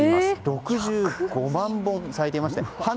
６５万本咲いています。